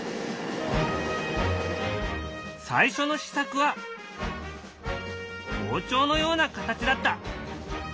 最初の試作は包丁のような形だった。